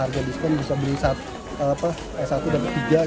ada yang beli satu dapat dua